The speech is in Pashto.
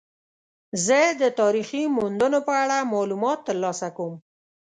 زه د تاریخي موندنو په اړه معلومات ترلاسه کوم.